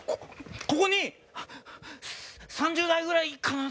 ここに３０代くらいかな？